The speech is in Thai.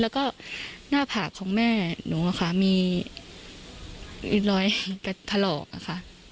แล้วก็หน้าผากของแม่หนูมีลอยกระทะหลอกค่ะ